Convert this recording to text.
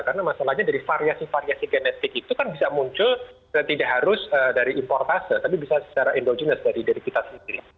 karena masalahnya dari variasi variasi genetik itu kan bisa muncul tidak harus dari importase tapi bisa secara endogenous dari kita sendiri